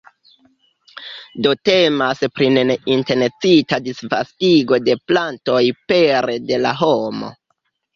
Do temas pri ne ne intencita disvastigo de plantoj pere de la homo.